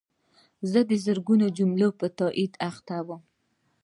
زه د زرګونو جملو په تایید اخته وم.